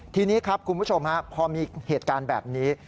ทีนี้ครับคุณผู้ชมฮะพอมีเหตุการณ์แบบนี้